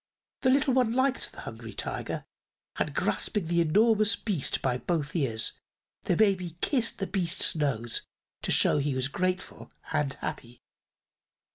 The little one liked the Hungry Tiger and grasping the enormous beast by both ears the baby kissed the beast's nose to show he was grateful and happy.